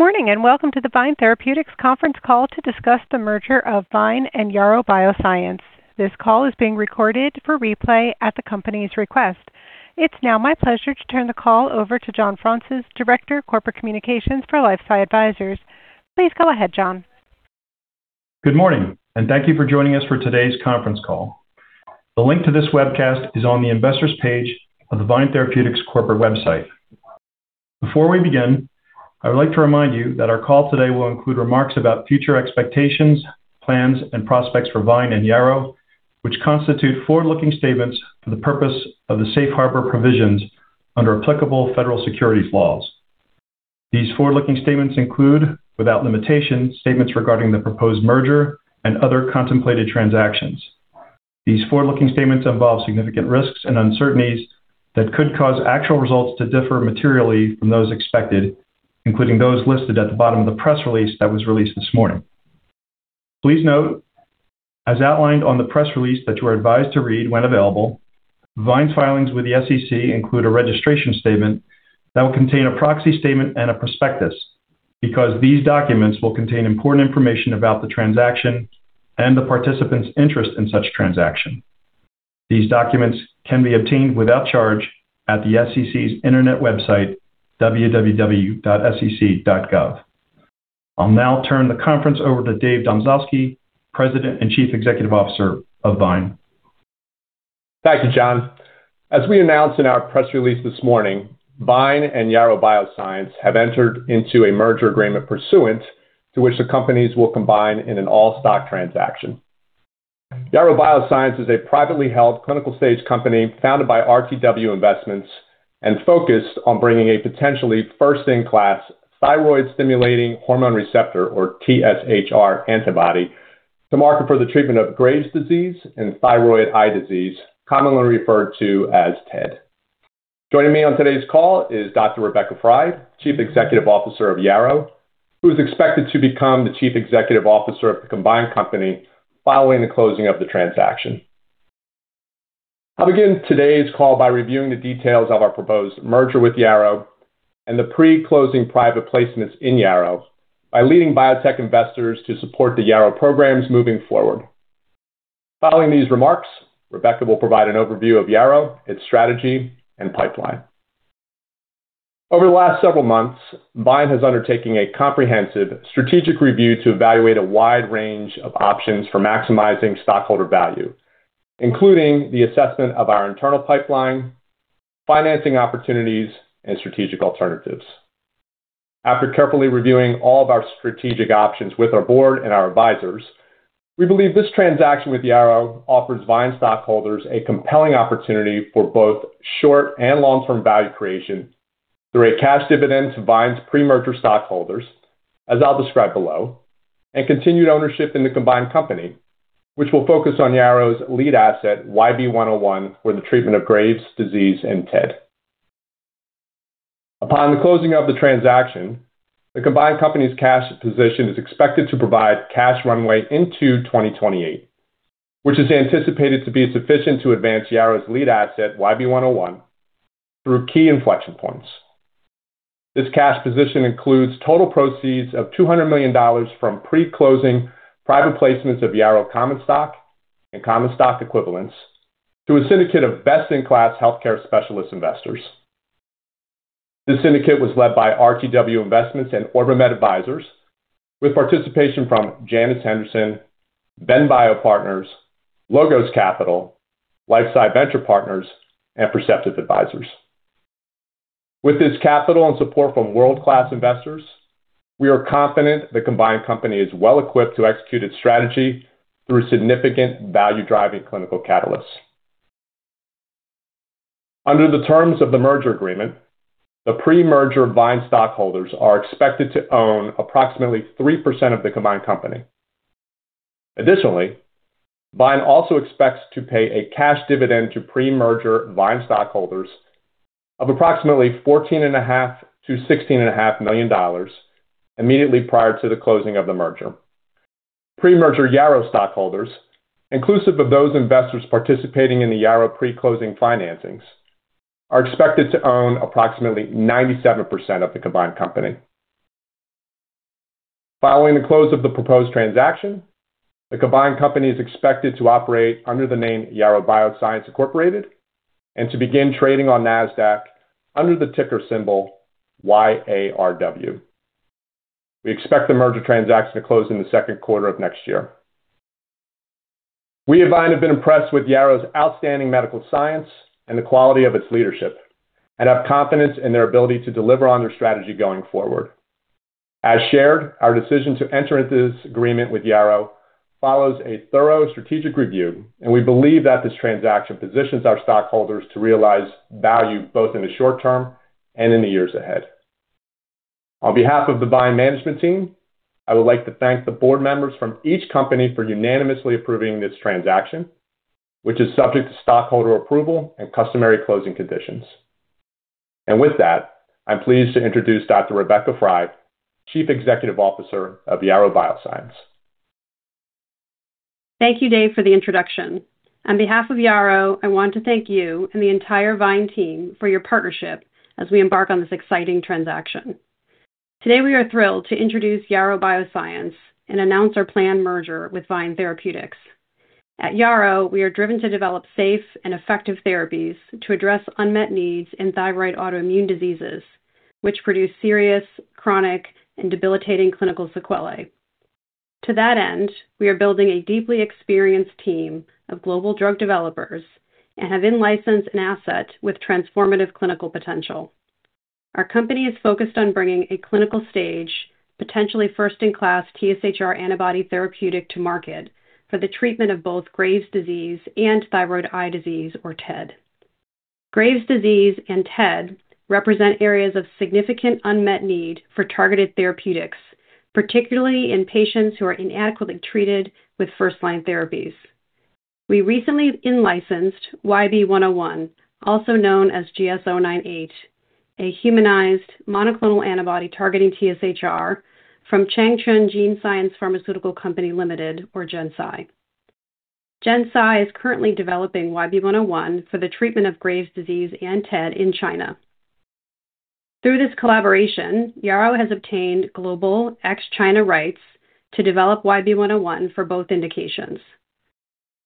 Good morning and welcome to the VYNE Therapeutics conference call to discuss the merger of VYNE and Yarrow Bioscience. This call is being recorded for replay at the company's request. It's now my pleasure to turn the call over to John Fraunces, Director of Corporate Communications for LifeSci Advisors. Please go ahead, John. Good morning and thank you for joining us for today's conference call. The link to this webcast is on the Investor's page of the VYNE Therapeutics corporate website. Before we begin, I would like to remind you that our call today will include remarks about future expectations, plans, and prospects for VYNE and Yarrow, which constitute forward-looking statements for the purpose of the safe harbor provisions under applicable federal securities laws. These forward-looking statements include, without limitation, statements regarding the proposed merger and other contemplated transactions. These forward-looking statements involve significant risks and uncertainties that could cause actual results to differ materially from those expected, including those listed at the bottom of the press release that was released this morning. Please note, as outlined on the press release that you are advised to read when available, VYNE's filings with the SEC include a registration statement that will contain a proxy statement and a prospectus because these documents will contain important information about the transaction and the participants' interest in such transaction. These documents can be obtained without charge at the SEC's internet website, www.sec.gov. I'll now turn the conference over to Dave Domzalski, President and Chief Executive Officer of VYNE. Thank you, John. As we announced in our press release this morning, VYNE and Yarrow Bioscience have entered into a merger agreement pursuant to which the companies will combine in an all-stock transaction. Yarrow Bioscience is a privately held clinical stage company founded by RTW Investments and focused on bringing a potentially first-in-class thyroid-stimulating hormone receptor, or TSHR, antibody to market for the treatment of Graves' disease and Thyroid Eye Disease, commonly referred to as TED. Joining me on today's call is Dr. Rebecca Frey, Chief Executive Officer of Yarrow, who is expected to become the Chief Executive Officer of the combined company following the closing of the transaction. I'll begin today's call by reviewing the details of our proposed merger with Yarrow and the pre-closing private placements in Yarrow by leading biotech investors to support the Yarrow programs moving forward. Following these remarks, Rebecca will provide an overview of Yarrow, its strategy, and pipeline. Over the last several months, VYNE has undertaken a comprehensive strategic review to evaluate a wide range of options for maximizing stockholder value, including the assessment of our internal pipeline, financing opportunities, and strategic alternatives. After carefully reviewing all of our strategic options with our board and our advisors, we believe this transaction with Yarrow offers VYNE stockholders a compelling opportunity for both short and long-term value creation through a cash dividend to VYNE's pre-merger stockholders, as I'll describe below, and continued ownership in the combined company, which will focus on Yarrow's lead asset, YB-101, for the treatment of Graves' disease and TED. Upon the closing of the transaction, the combined company's cash position is expected to provide cash runway into 2028, which is anticipated to be sufficient to advance Yarrow's lead asset, YB-101, through key inflection points. This cash position includes total proceeds of $200 million from pre-closing private placements of Yarrow common stock and common stock equivalents to a syndicate of best-in-class healthcare specialist investors. This syndicate was led by RTW Investments and OrbiMed Advisors, with participation from Janus Henderson, venBio Partners, Logos Capital, LifeSci Venture Partners, and Perceptive Advisors. With this capital and support from world-class investors, we are confident the combined company is well-equipped to execute its strategy through significant value-driving clinical catalysts. Under the terms of the merger agreement, the pre-merger VYNE stockholders are expected to own approximately 3% of the combined company. Additionally, VYNE also expects to pay a cash dividend to pre-merger VYNE stockholders of approximately $14.5-$16.5 million immediately prior to the closing of the merger. Pre-merger Yarrow stockholders, inclusive of those investors participating in the Yarrow pre-closing financings, are expected to own approximately 97% of the combined company. Following the close of the proposed transaction, the combined company is expected to operate under the name Yarrow Bioscience Incorporated and to begin trading on Nasdaq under the ticker symbol YARW. We expect the merger transaction to close in the second quarter of next year. We at VYNE have been impressed with Yarrow's outstanding medical science and the quality of its leadership, and have confidence in their ability to deliver on their strategy going forward. As shared, our decision to enter into this agreement with Yarrow follows a thorough strategic review, and we believe that this transaction positions our stockholders to realize value both in the short term and in the years ahead. On behalf of the VYNE management team, I would like to thank the board members from each company for unanimously approving this transaction, which is subject to stockholder approval and customary closing conditions. And with that, I'm pleased to introduce Dr. Rebecca Frey, Chief Executive Officer of Yarrow Bioscience. Thank you, Dave, for the introduction. On behalf of Yarrow, I want to thank you and the entire VYNE team for your partnership as we embark on this exciting transaction. Today, we are thrilled to introduce Yarrow Bioscience and announce our planned merger with VYNE Therapeutics. At Yarrow, we are driven to develop safe and effective therapies to address unmet needs in thyroid autoimmune diseases, which produce serious, chronic, and debilitating clinical sequelae. To that end, we are building a deeply experienced team of global drug developers and have in-licensed an asset with transformative clinical potential. Our company is focused on bringing a clinical stage, potentially first-in-class TSHR antibody therapeutic to market for the treatment of both Graves' disease and Thyroid Eye Disease, or TED. Graves' disease and TED represent areas of significant unmet need for targeted therapeutics, particularly in patients who are inadequately treated with first-line therapies. We recently in-licensed YB-101, also known as GS098, a humanized monoclonal antibody targeting TSHR from Changchun GeneScience Pharmaceutical Company Limited, or GenSci. GenSci is currently developing YB-101 for the treatment of Graves' disease and TED in China. Through this collaboration, Yarrow has obtained global ex-China rights to develop YB-101 for both indications.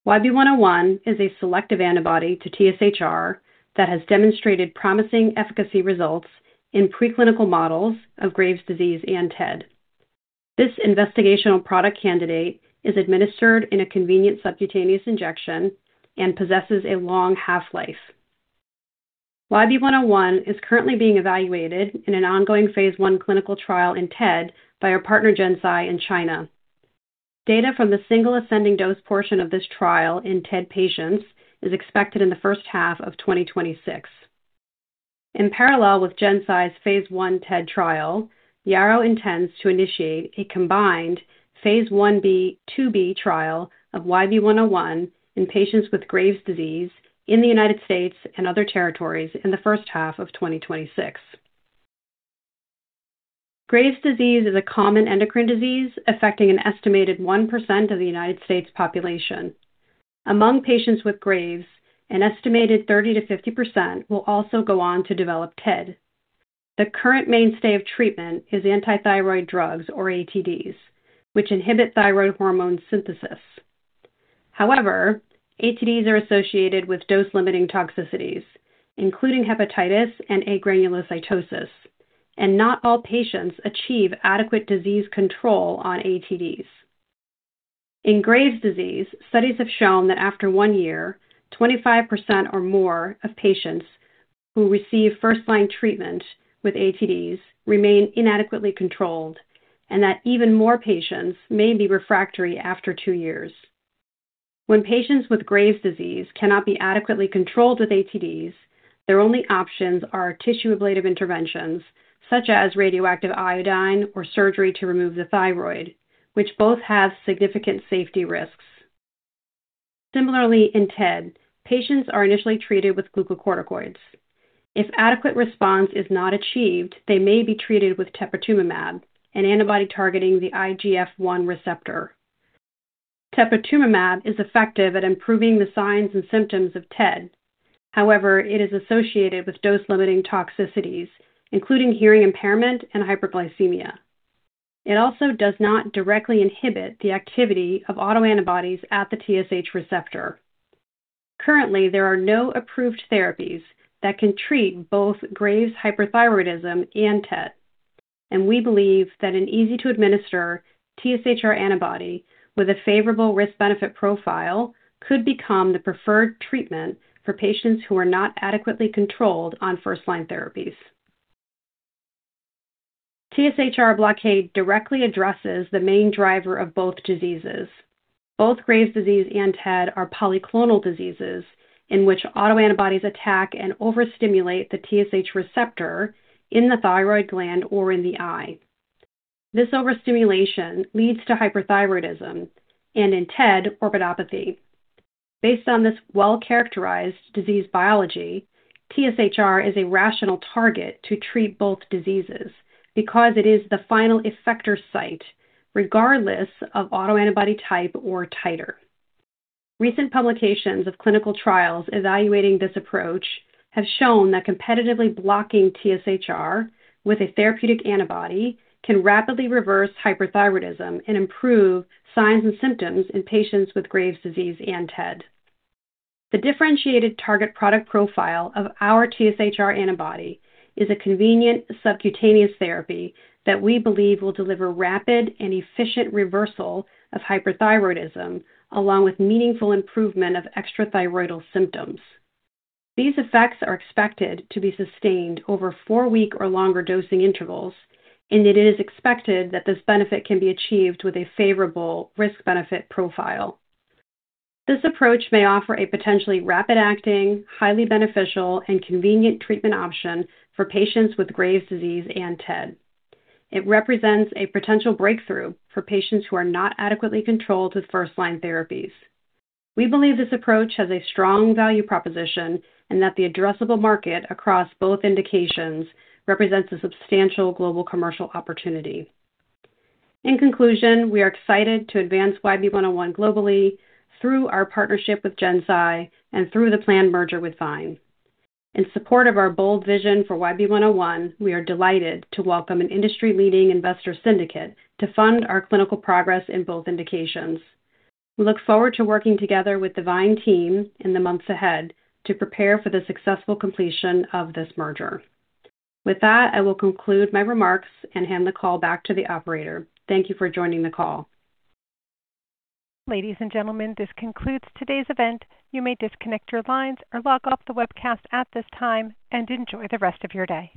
YB-101 is a selective antibody to TSHR that has demonstrated promising efficacy results in preclinical models of Graves' disease and TED. This investigational product candidate is administered in a convenient subcutaneous injection and possesses a long half-life. YB-101 is currently being evaluated in an ongoing phase I clinical trial in TED by our partner GenSci in China. Data from the single ascending dose portion of this trial in TED patients is expected in the first half of 2026. In parallel with GenSci's phase I TED trial, Yarrow intends to initiate a combined phase 1b/2b trial of YB-101 in patients with Graves' disease in the United States and other territories in the first half of 2026. Graves' disease is a common endocrine disease affecting an estimated 1% of the United States population. Among patients with Graves, an estimated 30%-50% will also go on to develop TED. The current mainstay of treatment is antithyroid drugs, or ATDs, which inhibit thyroid hormone synthesis. However, ATDs are associated with dose-limiting toxicities, including hepatitis and agranulocytosis, and not all patients achieve adequate disease control on ATDs. In Graves' disease, studies have shown that after one year, 25% or more of patients who receive first-line treatment with ATDs remain inadequately controlled, and that even more patients may be refractory after two years. When patients with Graves' disease cannot be adequately controlled with ATDs, their only options are tissue-ablative interventions such as radioactive iodine or surgery to remove the thyroid, which both have significant safety risks. Similarly, in TED, patients are initially treated with glucocorticoids. If adequate response is not achieved, they may be treated with teprotumumab, an antibody targeting the IGF-1 receptor. Teprotumumab is effective at improving the signs and symptoms of TED. However, it is associated with dose-limiting toxicities, including hearing impairment and hyperglycemia. It also does not directly inhibit the activity of autoantibodies at the TSH receptor. Currently, there are no approved therapies that can treat both Graves' hyperthyroidism and TED, and we believe that an easy-to-administer TSHR antibody with a favorable risk-benefit profile could become the preferred treatment for patients who are not adequately controlled on first-line therapies. TSHR blockade directly addresses the main driver of both diseases. Both Graves' disease and TED are polyclonal diseases in which autoantibodies attack and overstimulate the TSH receptor in the thyroid gland or in the eye. This overstimulation leads to hyperthyroidism and, in TED, orbitopathy. Based on this well-characterized disease biology, TSHR is a rational target to treat both diseases because it is the final effector site, regardless of autoantibody type or titer. Recent publications of clinical trials evaluating this approach have shown that competitively blocking TSHR with a therapeutic antibody can rapidly reverse hyperthyroidism and improve signs and symptoms in patients with Graves' disease and TED. The differentiated target product profile of our TSHR antibody is a convenient subcutaneous therapy that we believe will deliver rapid and efficient reversal of hyperthyroidism, along with meaningful improvement of extrathyroidal symptoms. These effects are expected to be sustained over four-week or longer dosing intervals, and it is expected that this benefit can be achieved with a favorable risk-benefit profile. This approach may offer a potentially rapid-acting, highly beneficial, and convenient treatment option for patients with Graves' disease and TED. It represents a potential breakthrough for patients who are not adequately controlled with first-line therapies. We believe this approach has a strong value proposition and that the addressable market across both indications represents a substantial global commercial opportunity. In conclusion, we are excited to advance YB-101 globally through our partnership with GenSci and through the planned merger with VYNE. In support of our bold vision for YB101, we are delighted to welcome an industry-leading investor syndicate to fund our clinical progress in both indications. We look forward to working together with the VYNE team in the months ahead to prepare for the successful completion of this merger. With that, I will conclude my remarks and hand the call back to the operator. Thank you for joining the call. Ladies and gentlemen, this concludes today's event. You may disconnect your lines or log off the webcast at this time and enjoy the rest of your day.